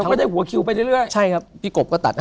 แล้วก็ได้หัวคิวไปเรื่อยแนต